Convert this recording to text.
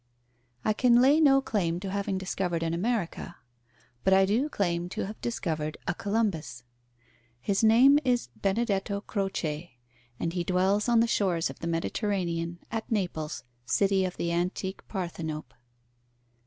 I can lay no claim to having discovered an America, but I do claim to have discovered a Columbus. His name is Benedetto Croce, and he dwells on the shores of the Mediterranean, at Naples, city of the antique Parthenope.